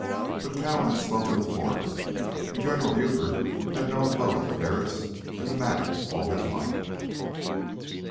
But Cowan had spoken to Forrest, and General Buford had known both the Barretts and the Mattocks all his life.